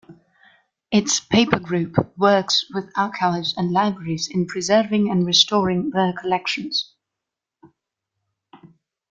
Its Paper Group works with archives and libraries in preserving and restoring their collections.